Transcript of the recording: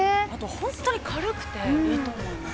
本当に軽くて、いいと思います。